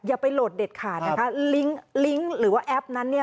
อย่าไปโหลดเด็ดขาดนะคะลิงค์ลิงก์หรือว่าแอปนั้นเนี่ย